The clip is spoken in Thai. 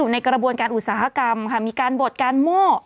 ในกระบวนการอุตสาหกรรมค่ะมีการบดการโม่